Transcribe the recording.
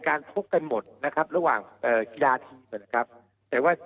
พบกันหมดนะครับระหว่างเอ่อกีฬาทีมนะครับแต่ว่า